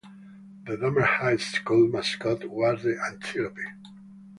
The Damar High School mascot was the Antelope.